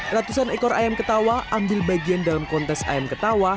ratusan ekor ayam ketawa ambil bagian dalam kontes ayam ketawa